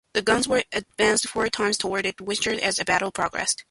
The guns were advanced four times toward Winchester as the battle progressed.